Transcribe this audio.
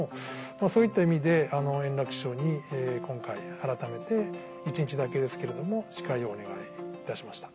そういった意味で円楽師匠に今回改めて一日だけですけれども司会をお願いいたしました。